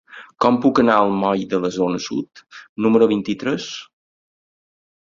Com puc anar al moll de la Zona Sud número vint-i-tres?